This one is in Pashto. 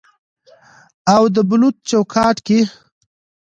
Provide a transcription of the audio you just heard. او د بلوط چوکاټ کې